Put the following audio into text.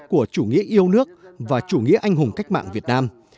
của chủ nghĩa yêu nước và chủ nghĩa anh hùng cách mạng việt nam